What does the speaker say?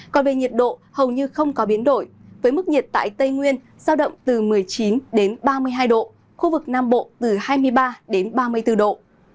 còn về nhiệt độ hầu như không có biến đổi với mức nhiệt tại tây nguyên giao động từ một mươi chín đến ba mươi hai độ khu vực nam bộ từ hai mươi ba đến ba mươi bốn độ